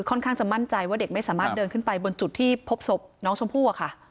ค่อนข้างจะมั่นใจว่าเด็กไม่สามารถเดินขึ้นไปบนจุดที่พบศพน้องชมพู่อะค่ะ